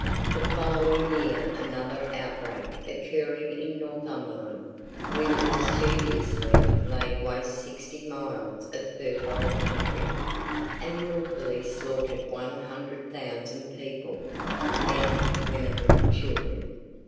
The following year another outbreak occurring in Northumberland, William mischievously laid waste sixty miles of fertile country, and wilfully slaughtered one hundred thousand people, men, women, and children.